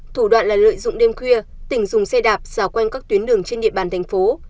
thủ đoạn là lợi dụng đêm khuya tỉnh dùng xe đạp xào quanh các tuyến đường trên địa bàn thành phố